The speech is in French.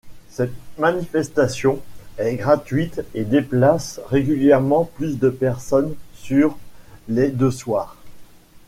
Cette manifestation est gratuite et déplace régulièrement plus de personnes sur les deux soirs.